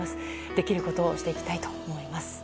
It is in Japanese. できることをしていきたいと思います。